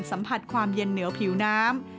สัมผัสความเย็นเหนือผิวน้ำ